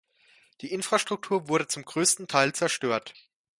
Die Infrastruktur wurde zum größten Teil zerstört.